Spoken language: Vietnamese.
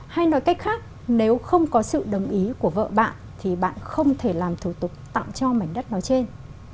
hay nói cách khác nếu không có sự đồng ý của vợ bạn thì bạn không thể làm thủ tục tặng cho mảnh đất nói trên